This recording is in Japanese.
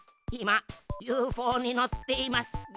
いまユーフォーにのっています。